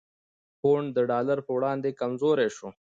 پونډ د ډالر په وړاندې کمزوری شو؛